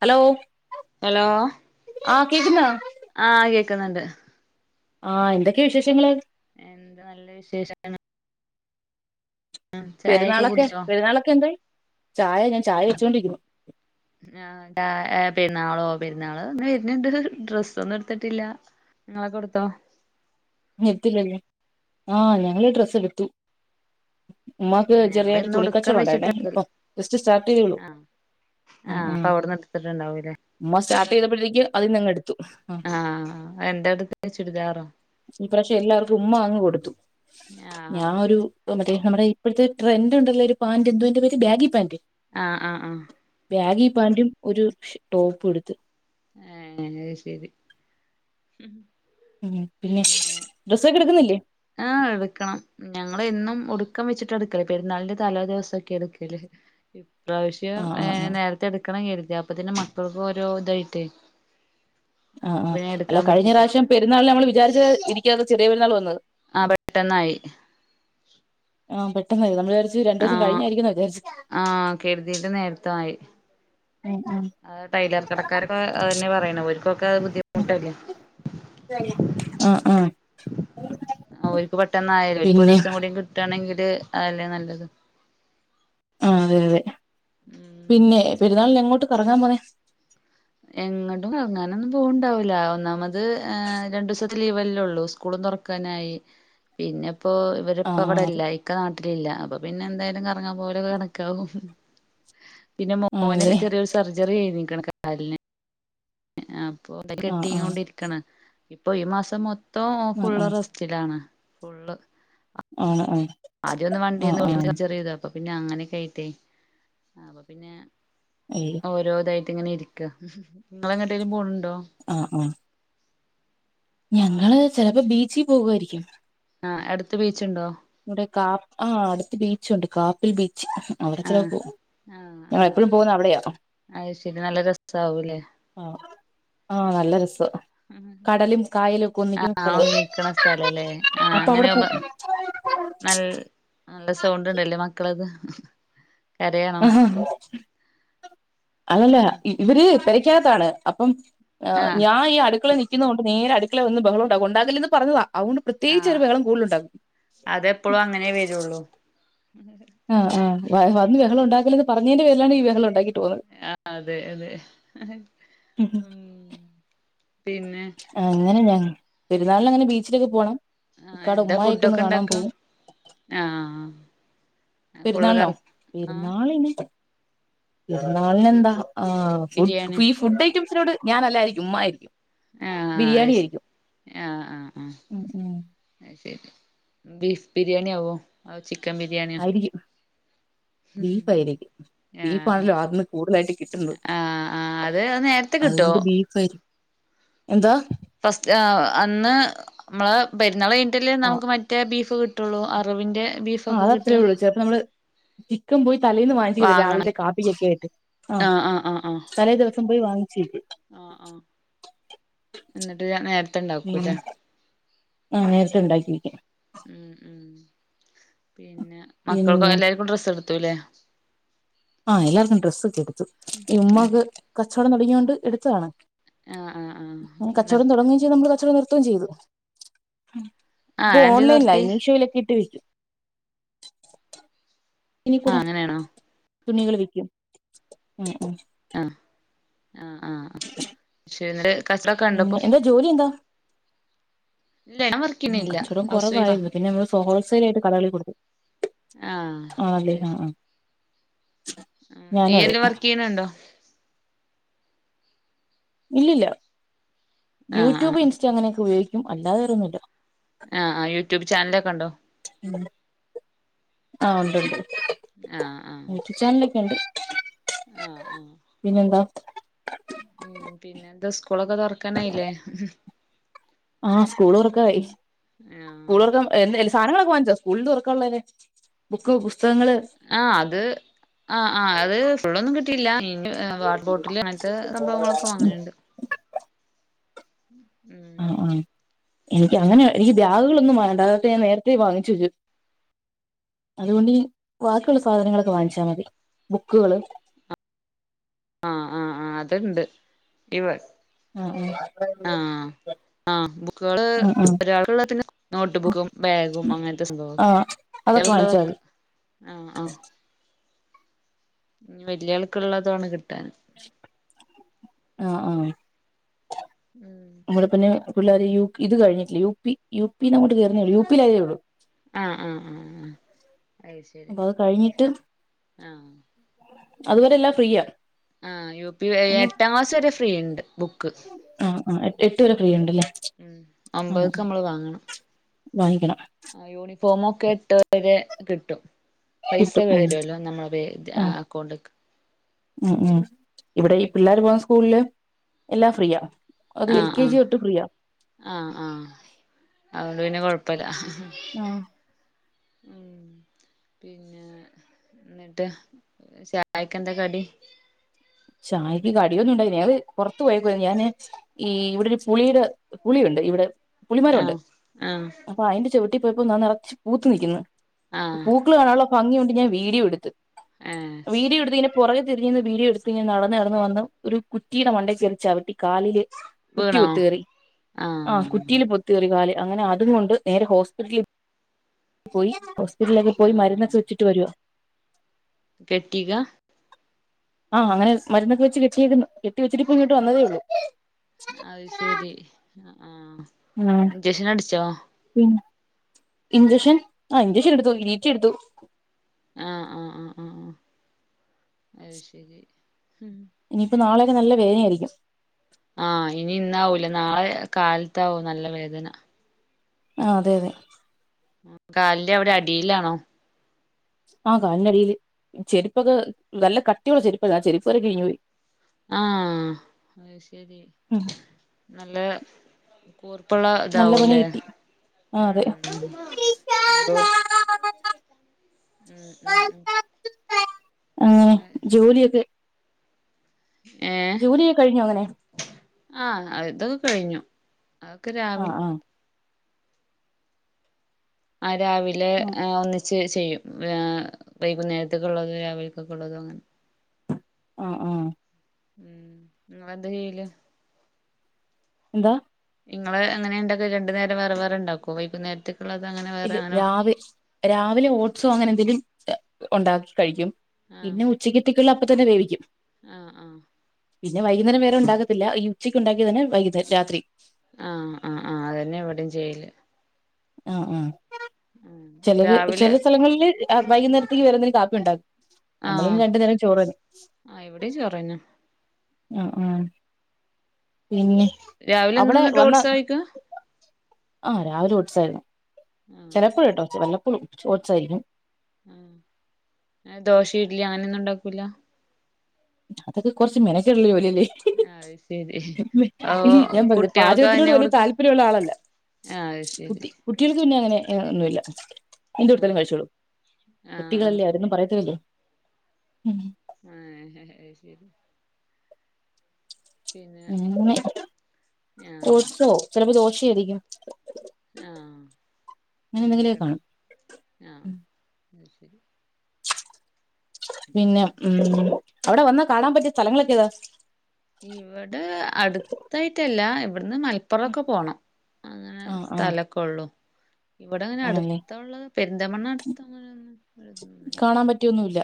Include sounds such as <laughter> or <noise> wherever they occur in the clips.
Hello hello ആ കേക്കുന്നോ ആ കേക്കുന്ന്ണ്ട് ആഹഎന്തൊക്കെ വിശേഷങ്ങള് എന്ത് നല്ല വിശേഷ ചായൊക്കെ പെരുന്നാളൊക്കെ കുടിച്ചോ പെരുന്നാളൊക്കെ എന്തായി. ചായ ഞാൻ ചായ വെച്ചോണ്ടിരിക്കുന്നു ആഹ് ഏ പെരുന്നാളോ പെരുന്നാള് ങ്ങനെ വെര്ന്ണ്ട് ഡ്രസ്സൊന്നുട്ത്തിട്ടില്ലാ ഇങ്ങളൊക്കെ എടുത്തോ നെറ്റില്ലല്ലോ ആ ഞങ്ങള് ഡ്രസ്സ് എടുത്തു ഉമ്മാക്ക് ഞങ്ങള് ചെറുതായിട്ട് ഇന്ന് ഒടുക്കം തുണിക്കച്ചോടം ഉണ്ടായിരുന്നെ വെച്ചിട്ടക്കല് ഇപ്പൊ ജസ്റ്റ് സ്റ്റാർട്ട് ചെയ്തതേ ഒള്ളൂ ആഹ് ആഹ് അപ്പ അവിടുന്ന് എടുത്തിട്ട് ഉണ്ടാവൂല്ലേ ഉമ്മ സ്റ്റാർട്ട് ചെയ്തപ്പഴത്തേക്ക്‌ അതീന്ന് അങ്ങെടുത്തു ആഹ് എന്താ എടുത്തേ ചുരിദാറോ ഈ പ്രാവശ്യം എല്ലാർക്കും ഉമ്മ അങ്ങ് കൊടുത്തു ആഹ് ഞാനൊരു ഓ മറ്റേ നമ്മടെ ഇപ്പഴത്തെ ട്രൻഡ് ഉണ്ടല്ലോ ഒരു പാന്റ് എന്തുവാ അതിന്റെ പേര് ബാഗി പാന്റ് ആഹ് ആഹ് ആഹ് ബാഗീ പാന്റും ഒരു ശ് ടോപും എടുത്ത് ഏഹ് അത് ശരി ഉം പിന്നെ ഡ്രസ്സൊക്കെ എടുക്കുന്നില്ലേ ആഹ് എടുക്കണം ഞങ്ങള് എന്നും ഒടുക്കം വച്ചിട്ടാ എടുക്കല് പെരുന്നാളിന്റെ തലേ ദിവസവൊക്കെയാ എടുക്കല് ഇപ്രാവശ്യം ആഹ് ഏ ആഹ് ആഹ് നേരത്തെ എടുക്കണം കരുതി അപ്പത്തേനും മക്കൾക്ക് ഓരോ ഇതായിട്ടേ ആഹ് അപ്പ ആഹ് പിന്നെ അല്ല എടുക്കാൻ കഴിഞ്ഞ പറ്റിട്ടില്ല പ്രാവശ്യം പെരുന്നാളിന് നമ്മള് വിചാരിച്ച് ഇരിക്കാതെ ചെറിയ പെരുന്നാള് വന്നത് ആഹ് പെട്ടെന്നായി ആഹ് പെട്ടന്നായി ഞാൻ വിചാരിച്ച് രണ്ട് ദിവസം ആഹ് കഴിഞ്ഞായിരിക്കൂന്ന വിചാരിച്ചത് ആഹ് കരുതീത് നേരത്തെ ആയി ഉം ഉം ആഹ് ടൈലർ കടക്കാരൊക്കെ അത് തന്നെയാ പറയണെ ഓരുക്കൊക്കെ ഉം ബുദ്ധിമുട്ടല്ലേ ആഹ് ആഹ് ആഹ് ഓൽക്ക് പെട്ടെന്നായല്ലോ ഓൽക്കൊരു പിന്നെ ദിവസം കൂടി കിട്ടാണെങ്കില് അതല്ലേ നല്ലത് ആഹ് അതെ അതെ ഉം പിന്നെ പെരുന്നാളിന് എങ്ങോട്ട് കറങ്ങാൻ പോന്നെ എങ്ങട്ടും കറങ്ങാനൊന്നും പോവണ്ടാവൂല്ല ഒന്നാമത് രണ്ട് ദിവസ ലീവെല്ലേയുള്ളു സ്കൂളും തൊറക്കാനായി പിന്നിപ്പോ ഇവരിപ്പോ ആഹ് അതെ ഇവിടില്ല ഇക്ക നാട്ടിലില്ല അപ്പൊ പിന്നെ എന്തായാലും കറങ്ങാൻ പോകലൊക്കെ കണക്കാവും പിന്നെ മോന് ആണല്ലേ ചെറിയൊര് സർജറി കയിഞ്ഞിക്കണ് കാലിന് അപ്പൊ ഇത് ആഹ് കെട്ടി ആഹ് അങ്ങോണ്ടിരിക്കണ് ഇപ്പൊ ഈ മാസം മൊത്തം ആഹ് ഫുള്ള് ആഹ് റ സ്റ്റിലാണ് ഫുള്ള് ആണ് അഹ് ആദ്യവൊന്ന് വണ്ടിയേന്ന് വീണിട്ട് ചെറിയ ഇത് അപ്പൊ പിന്നെ അങ്ങനൊക്കെ ആയിട്ടേ അപ്പൊ പിന്നെ ഏയ്‌ ഓരോ ഇതായിട്ട് ഇങ്ങനെ ഇരിക്കുവാ ഇങ്ങള് എങ്ങോട്ടേലും പോണുണ്ടോ ആഹ് ആഹ് ഞങ്ങള് ചെലപ്പോ ബീച്ചീൽ പോകുവാരിക്കും ആഹ് അടുത്ത് ബീച്ചുണ്ടോ ഇവിടെ കാ ആ അടുത്ത് ബീച്ചുണ്ട് കാപ്പിൽ ബീച്ച് അവിടെ ആഹ് ചെലപ്പോ പോകും ആഹ് ആ ആഹ് എപ്പഴും പോന്ന അവിടെയാ അത് ശരി നല്ല രസാവൂലേ ആഹ് ആ നല്ല രസവാ കടലും കായലും ഒക്കെ ഒന്നിക്കുന്ന ആഹ് സ്ഥലവാ ഒന്നിക്കണ സ്ഥലല്ലേ ആഹ് അപ്പൊ അവിടെ പോ അങ്ങനെയാവുമ്പ <unintelligible> നൽ നല്ല സൗണ്ടുണ്ടല്ലേ മക്കളക്ക് അതല്ല ഉം ഇവര് പെരയ്‌ക്കകത്താണ് അപ്പം ആഹ് ഞാൻ ഈ അടുക്കളെ നിക്കുന്ന കൊണ്ട് നേരെ അടുക്കളെ വന്ന് ബഹളം ഉണ്ടാക്കും ഒണ്ടാക്കല്ലെന്ന് പറഞ്ഞതാ അതുകൊണ്ട് ആഹ് പ്രത്യേകിച്ചൊരു ബഹളം കൂടുതലുണ്ടാക്കും അതെപ്പോഴും അങ്ങനെ വരുള്ളൂ <unintelligible> ആഹ് ആഹ് വന്ന് വെഹളം ഉണ്ടാകല്ലെന്ന് പറഞ്ഞേന്റെ പേരിലാണ് ഈ വെഹളം ഉണ്ടാക്കി ആഹ് അതെ അതെ ഹ് ഉം പിന്നെ അങ്ങനെലെ പെരുന്നാളിലെങ്ങനെ ബീച്ചിലൊക്കെ പോണം ആഹ് ഇക്കാടെ എന്താ ഉമ്മായൊക്ക ഒന്ന് ഫുഡൊക്കെ കാണാം ഉണ്ടാക്കുക പോവും ആഹ് ഫുള്ള് പെരുന്നാൾനോ കറ ആഹ് പെരുന്നാളിന് പെരുന്നാളിനെന്താ ആഹ് ബിരിയാണി ഫുഡ് ഈഹ് ഫുഡൈറ്റംസിനോട് ഞാനല്ലായിരിക്കും ഉമ്മായിരിക്കും ആഹ് ബിരിയാണി അയ്ശെ ആയിരിക്കും ആഹ് ആഹ് ആഹ് ഉം ഉം അയ്ശെരി ബീഫ് ബിരിയാണ്യാവോ അഹ് ചിക്കം ബിരിയാണ്‌യോ ബീഫായിരിക്കും ബീഫാണല്ലോ അന്ന് കൂടുതലായിട്ട് കിട്ടുന്നത് ആഹ് ആഹ് അത് നേരത്തെ കിട്ടോ അതുകൊണ്ട് ബീഫാരിക്കും എന്താ ഫസ്റ്റ് അ അന്ന് മ്മളെ പെരുന്നാള് കയ്ഞ്ഞിറ്റല്ലെ ആഹ് നമുക്ക് മറ്റേ ബീഫ് കി ട്ടൊള്ളൂ അറവിന്റെ ബീ അഹ് അതത്രേള്ളൂ ചെൽപ്പ നമ്മള് ചിക്കം പോയി തലേന്ന് വാങ്ങിച്ചെക്ക വാങ്ങണം രാവിൽത്തെ കാപ്പിക്കൊക്കെ ആയ്ട്ട് ആഹ് തലേ ദിവസം പോയി വാങ്ങിച്ച് വെയ്ക്കും ആഹ് ആഹ് എന്നിട്ട് നേരത്തെ ഉം ഇണ്ടാക്കൂല്ലേ ആഹ് നേരെത്തെണ്ടാക്കിക്കും ഉം ഉം പിന്നെ പിന്നെ മക്കൾക്കൊല്ലാർക്കും ഡ്രെസ്സെടുത്തുല്ലേ ആഹ് എല്ലാർക്കും ഡ്രസ്സൊക്കെ എടുത്തു കൊടുത്തു ഈ ഉമ്മാക് കച്ചോടം തൊടങ്ങിയോണ്ട് എടുത്തതാണ് ആഹ് ആഹ് ആഹ് കച്ചോടം എന്നിട്ട് തൊടങ്ങയും ചെയ്ത് മ്മള് കച്ചോടം നിർത്തുകയും ചെയ്തു ഇപ്പൊ ആഹ് എന്തേ ഓൺലൈനിലായി നിർത്തി മീഷോയിലൊക്കെ ഇട്ട് വെയ്ക്കും ഇനി ആഹ് കൂടെ അങ്ങനെയാണോ തുണികൾ വിക്ക്യും ഊം ഊം അഹ് ആഹ് ആഹ് <unintelligible> പിന്നെ എന്താ ജോലി എന്താ ഇല്ല ഞാ ഉം വർക്ക്ന്നില്ല കച്ചവടം ഹൗസ് വൈഫാ കുറവായിരുന്നു പിന്നെ നമ്മള് ഹോൾസെയിൽ ആയിട്ട് കടകളിൽ കൊടുക്കും ആഹ് അയ്ശെരി ഉം ഞാനും അതെ ഈയയ്ല്ല് വർക്കെയ്യ്ണുണ്ടോ ഇല്ലില്ല ആഹ് ആഹ് യൂട്യൂബ് ഇൻസ്റ്റ അങ്ങനെയൊക്കെ ഉപയോഗിക്കും അല്ലാതെ വേറൊന്നില്ല ആഹ് ആഹ് യൂട്യൂബ് ചാനലൊക്കെണ്ടോ ഉം ആഹ് ഉണ്ട്ണ്ട് ആഹ് ആഹ് യൂട്ടൂബ് ചാനലൊക്കെണ്ട് ആഹ് ആഹ് പിന്നെന്താ ഉം പിന്നെ ന്താ സ്കൂളൊക്കെ തൊർക്കാനായ്ലേ ആഹ് സ്കൂളൊർക്കായി ആഹ് സ്കൂളൊറ്ക്ക എന്ന് എൽ സാധനങ്ങളൊക്കെ വാങ്ങിചോ സ്കൂള്തൊറക്കാള്ളെനെ ബുക്ക് പുസ്തകങ്ങള് ആഹ് അത് ആഹ് ആഹ് അത് ഫുള്ളൊന്നും കിട്ടില്ല വാട്ടർ ബോട്ടിൽ അങ്ങൻത്തെ സംഭവങ്ങളൊക്കെ വാങ്ങൽണ്ട് <inaudible> ആഹ് ആഹ് എനിക്ക് അങ്ങനെ എനിക്ക് ബ്യാഗുകളൊന്നും വാങ്ങണ്ട അതൊക്കെ ഞാൻ നേരത്തെ വാങ്ങിച്ചു വെച്ചു അതുകൊണ്ടിനി വാക്കിയുള്ള സാധനങ്ങളൊക്കെ വാങ്ങിച്ചാ മതി ബുക്കുകള് ആഹ് ആഹ്ആഹ് അത്ണ്ട് ഇവ ആഹ് ആഹ് <unintelligible> ആഹ് ബുക്കുകള് ഒരാൾക്ക്ള്ളെ പിന്നെ നോട്ട്ബുക്കും ബാഗും അങ്ങൻത്തെ സംഭവം. ആ അതൊക്കെ വാങ്ങ്ച്ചാതി. കുട്ടികൾക്കുള്ളതൊക്കെ ആഹ് അഹ് ഇഞ്ഞ് വല്യ ആൾക്ക്ള്ളതാണ് കിട്ടാൻ. ആഹ് ആഹ് ഉം നമ്മള് പിന്നെ പിള്ളേര് യു ഇത് കഴിഞ്ഞിട്ടില്ല. യു പി യു പി ന്നങ്ങോട്ട് കേറ്ന്നേള്ളൂ. യു പിൽ അയേയുള്ളൂ. ആഹ് ആഹ് ആഹ് ആഹ് അഹ് ശരി അപ്പൊ അത് കഴിഞ്ഞിട്ട് ആഹ്. അതുവരെ എല്ലാം ഫ്രീയാ. ആഹ് യു പി എ എട്ടാം ക്ലാസ് വരെ ഫ്രീ ഇണ്ട് ബുക്ക്. ആഹ് ആഹ് എ എട്ട് വരെ ഫ്രീ ഇണ്ട്ല്ലേ? ഉം ഒമ്പത്ക്ക് നമ്മള് വാങ്ങണം. വാങ്ങിക്കണം ആഹ് യൂണിഫോം ഒക്കെ എട്ട് വരെ കിട്ടും. പൈസ കിട്ടും ഉം വരുല്ലോ നമ്മള് വെ ആ ആഹ് അക്കൗണ്ട്ക്ക്. ഉം ഉം ഇവടെ ഈ പിള്ളേർ പോകുന്ന സ്കൂളില് എല്ലാം ഫ്രീയാ. അത് എൽ ആഹ് കെ ജി ആഹ് തൊട്ട് ഫ്രീയാ. ആഹ് ആഹ് അതോണ്ട് പിന്നെ കൊഴപ്പല്ല. ആ ഉം പിൻ ഏഹ് ന്നട്ട് ചായക്ക് എന്താ കടി? ചായയ്ക്ക് കടിയൊന്നും ഇണ്ടായില്ല അഹ് പൊറത്ത് പോയേക്കുവായിരുന്നു ഞാന് ഈ ഇവടെ ഒരു പുളിയുടെ പുളിയുണ്ട് ഇവടെ പുളിമരം ഉണ്ട് ആഹ് ആഹ് അപ്പ അയിന്റെ ചോട്ടി പോയപ്പോ ന നറച്ച് പൂത്ത് നിൽക്കുന്ന്. ആഹ് പൂ ക്കള് കാണാനുള്ള ഭംഗി കൊണ്ട് ഞാൻ വീഡിയോ എടുത്ത്. ഏഹ് വീഡിയോ എടുത്തേന്റെ പൊറകെ തിരിഞ്ഞ്ന്ന് വീഡിയോ എട് പിന്നെ നടന്ന് നടന്ന് വന്ന് ഒരു കുറ്റിയുടെ മണ്ടേക്കേറി ചവിട്ടി കാലില് കുറ്റി വീണോ ഒത്ത് കേറി ആഹ് കുറ്റിയില് പൊ റ്റ് കേറി കാല് അങ്ങനെ അതും കൊണ്ട് നേരെ ഹോസ്പിറ്റലിൽ പോയി ഹോസ് പിറ്റലേക്ക് പോയി മരുന്ന് ആഹ് സുച്ചിട്ട് വരുവാ. കെട്ടിക? ആഹ് അങ്ങനെ മരുന്നൊക്കെ വെച്ച് കെട്ടിയിരുന്നു കെട്ടി വെച്ചിട്ട് ഇങ്ങോട്ട് വന്നതേ ഉള്ളൂ. അഹ് ശരി ആഹ് ഉം ഇഞ്ചക്ഷൻ അടിച്ചോ? ഉം ഇഞ്ചെക്ഷൻ ആ ഇഞ്ചെക്ഷൻ എടുത്തു ഗ്രീറ്റി എടുത്തു. ആഹ് ആഹ് ആഹ് ആഹ് ആഹ് അഹ് ശരി ഉം ഇനിയിപ്പ നാളെക്കെ നല്ല വേനായിരിക്കും. ആഹ് ഇനി ഇന്നാവൂല്ല നാളെ കാലത്താവും നല്ല വേദന. ആഹ് അതെ അതെ ഉം കാലിന്റെ അവടെ അടിയിലാണോ? ആഹ് കാലിൻ്റെ അടിയില് ചെരുപ്പൊക്കെ നല്ല കട്ടിയുള്ള ചെരുപ്പ് അതാ. ചെരുപ്പ് വരെ കിഴിഞ്ഞു പോയി. ആഹ് അഹ് ശരി ഉം നല്ലേ. കൂർപ്പ്ള്ള നല്ല പണി ഇതാവൂല്ലേ കിട്ടി ആ ഉം അതെ ഉം? എന്തോ? ഉം ഉം ഉം അങ്ങനെ ജോലിയൊക്കെ ഏഹ് ജോലിയോ കഴിഞ്ഞോ അങ്ങനെ. ആഹ് അത് കഴിഞ്ഞു. അതൊക്കെ ആ രാവിലെ. ആ ആഹ് രാവിലെ ഒന്നി ച്ച് ചെയ്യും, വൈകുന്നേരത്തേക്കെ ഉള്ളതോ രാവിലെക്കൊക്കെ ഉള്ളതോ അങ്ങനെ. ആ ആ ഉം ഇങ്ങള് എന്താ ചെയ്യല്. എന്താ ഇങ്ങള് എങ്ങനെ ഉണ്ടാക്കെ രണ്ടു നേരം വേറെ വേറെ ഉണ്ടാക്കോ വൈകുന്നേരത്ത്. ഉള്ളതങ്ങനെ ഇ രാവിലെ രാവിലെ ഓട്സോ അങ്ങനെ എന്തെങ്കിലും ഉണ്ടാക്കി കഴിയ്ക്കും പിന്നെ ഉച്ചക്കെത്തെക്ക്ള്ള അപ്പതന്നെ വേവിയ്ക്കും ആ ആ പിന്നെ വൈകുന്നേരം വേറെ ഉണ്ടാക്കത്തില്ല ഈ ഉച്ചയ്ക്ക് ഉണ്ടാക്കിയതെന്നെ വൈകുന്നേ രാത്രി ആ അ ആ അതന്നെ ഇവടിം ചെയ്യല് ആ ആ ഉം ചെലര് രാവിലെ ചെല സ്ഥലങ്ങളില് ആഹ് വൈകുന്നേരത്തേക്ക് വേറെ എന്തെങ്കിലും കാപ്പി ഉണ്ടാകും നമ്മള് ആഹ് പിന്നെ രണ്ടു നേരം ചോറന്നെ ആഹ് ഇവിടെയും ചോറന്നെ അ ആഹ് പിന്നെ രാവിലെ അവടെ എന്നും വന്ന ഓട്സാ കഴിക്കാ ആഹ് രാവിലെ ഓട്സായിരുന്നു ആഹ് ചെലപ്പോഴട്ടോ വല്ലപ്പോഴും ഓട്സായിരിക്കും എ ദോശ ഇഡലി അങ്ങനൊന്നും ഉണ്ടാക്കൂല അതൊക്കെ കൊറച്ച് മെനക്കേട്ള്ള ജോലിയല്ലെ അത് ശരി ഓ ഞാൻ പറഞ്ഞ്ലെ കുട്ടികൾക്ക് പാചകത്തിനോട് തന്നെ വല്യ കൊടുക്ക താല്പര്യ ഉള്ള ആളല്ല ആഹ് അയ് ശരി കുട്ടി കുട്ടേൾക്ക് പിന്നെ അങ്ങനെ ഒന്നുല്ല ആഹ് <unintelligible> ആഹ് ആഹ് കുട്ടികളല്ലേ അവരൊന്നും പറയത്തില്ലല്ലൊ ഏ അയ് ശരി പിന്നെ ഇന്ന് ആഹ് ഓട്സോ ചെലപ്പ ദോശയായിരിയ്ക്കും ആ അങ്ങനെയൊക്കെണ്ട് കാണും ആ അയ് ശരി പിന്നെ എന്നിട്ട് ഉം അവടെ വന്നാ കാണാൻ പറ്റിയ സ്ഥലങ്ങളൊക്കെ താ ഇവടെ അടുത്തായിട്ടല്ല ഇവിടുന്ന് മല പ്പുറൊക്കെ പോണം അങ്ങനെ ആഹ് ആഹ് സ്ഥലൊക്കൊള്ളു ഇവടങ്ങനെ ആണല്ലേ അടുത്തുള്ളത് പെരുന്തൽമണ്ണ അടുത്ത കാണാൻ പറ്റിയൊന്നുല്ല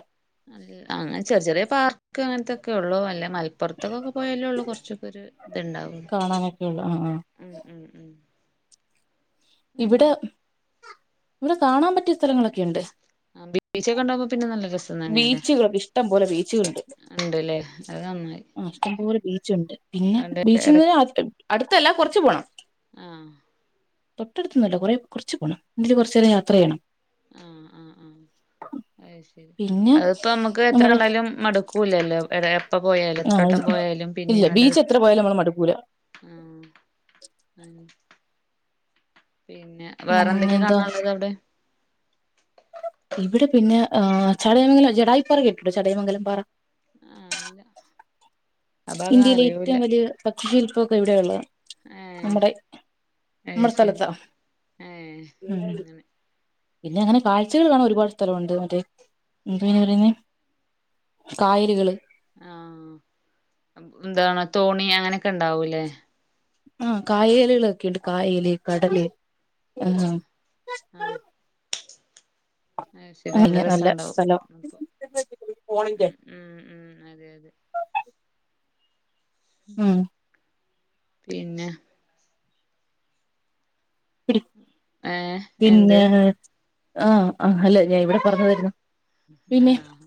നല്ല ആഹ അങ്ങനെ ചെർ ചെറിയ പാർക്ക് അങ്ങൻത്തൊക്കെ ഒള്ളു അല്ലേ മ പൊർത്ത്ക്കൊക്കെ പോയാലേഒള്ളൂ കൊർച്ചൊക്കെ ഒര് ഇത്ണ്ടാവുന്ന കാണാനൊക്കെ ഉള്ളു ആഹ് ആഹ് ഉം ഉം ഉം ഇവിടെ അങ്ങനെ ഇവടെ കാണാൻ പറ്റിയ സ്ഥലങ്ങളൊക്കെയുണ്ട് ആ ബീച്ച് ഒക്കെ ഉണ്ടാവുമ്പ പിന്നെ നല്ല രസം തന്നെയല്ലേ ബീച്ചുകൾ ഇഷ്ടംപോലെ ബീച്ചുകളുണ്ട് ഉണ്ട്ല്ലേ അത് നന്നായി ആഹ ഇഷ്ടംപോലെ ബീച്ചുണ്ട് പിന്നെ അണ്ട് ബീച്ചിന്ന് അടുത്തല്ല കൊറച്ച് പോണം ആഹ തൊട്ടട്ത്തൊന്നല്ല കൊറേ കൊറച്ച് പോണം എങ്കില് കൊർചേരം യാത്ര ചെയ്യണം രി പിന്നെ അതിപ്പം ഞമ്മക്ക് എത്ര നമ്മുടെ കണ്ടായാലും മടുക്കു ക്കൂല്ലല്ലോ എപ്പ പോയാലും ആ എത്രട്ടം പോയാലും ഇല്ല പിന്നിം നല്ല ബീച്ച് രസ എത്ര പോയാലും നമ്മള് മടുക്കൂല ആഹ ഉം പിന്നെ പിന്നെ വേറെന്തൊക്കെയാ എന്താ കാണാള്ളത് അവുടെ ഇവിടെ പിന്നെ ചടയമംഗലം ജഡായുപ്പാറ കെട്ടിട്ടോ ചടയമംഗലംപാറ ആഹ് ഇല്ല ആ ഭാഗം ഇന്ത്യയിലെ അറിയൂല്ല ഏറ്റവും വലിയ പക്ഷശില്പ്പൊക്കെ ഇവിടെയ ഉള്ളത് ഏഹ് നമ്മുടെ അത് നമ്മുടെ ശരി സ്ഥലത്താ ഏഹ് ഉം അങ്ങനെ പിന്നെ അങ്ങനെ കാഴ്ചകൾ കാണൻ ഒരുപാട് സ്ഥലവുണ്ട് മറ്റേ പിന്നെ എന്താ അയ്ന് പറയുന്നെ കായലുകള് ആഹ് എന്താണ് തോണി അങ്ങനൊക്കെ ഉണ്ടാവൂല്ലേ ആഹ് കായലുകളൊക്കെണ്ട് കായല് കടല് അഹ് ആഹ് ആഹ് അത് ശരി അങ്ങനെ നല്ല രസണ്ടാവും സ്ഥല അപ്പൊ ഉം ഉം ഉം അതെ അതെ ഉം പിന്നെ ഏ എന്ത് പിന്നെ ആഹ് ആഹ് അല്ലേ ഞാൻ ഇവടെ പർഞ്ഞതാര്ന്നു ആഹ്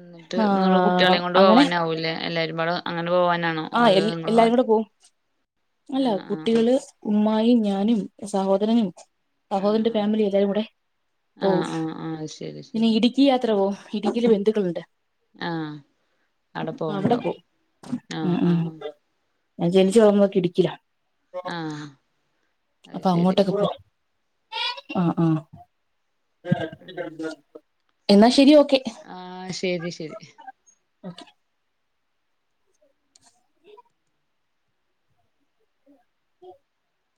ന്ന്ട്ട് ഇങ്ങള് ആഹ് കുട്ട്യാളേം കൊണ്ട് അങ്ങനെ പോവാനാവുല്ലേ എല്ലാരും പാടെ ട് അങ്ങനെ പോവാനാണോ ആഹ് എ അത് നിങ്ങള് മാ എല്ലാരൂടെ പോവും അല്ല ആഹ് ആഹ് കുട്ടികള് ഉമ്മായും ഞാനും സഹോദരനും ആഹ് സഹോദരന്റെ ആഹ് ഫാമിലീം എല്ലാരും കൂടെ പോകും ആഹ് ആഹ് ആഹ് ശരി പിന്നീ ശരി ഇടുക്ക ഇടുക്കി യാത്ര പോവും ഇടുക്കീല് ബന്ധുക്കള് ഉണ്ട് ആഹ് അവടെ അവിടെ പോവണ്ടാവും പോവും ഉം ആഹ് ഉം ആഹ് ഞാൻ ജനിച്ച് വളർന്നതൊക്കെ ഇടുക്കീലാ ആഹ് അത് അപ്പ ശരി അങ്ങോട്ടേക്ക് പോ ആഹ് ആഹ് ഉം എന്നാ ശരി ഓക്കെ ആഹ് ശെരി ശെരി ഓക്കെ